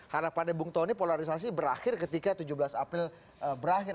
karena pada bung tony polarisasi berakhir ketika tujuh belas april berakhir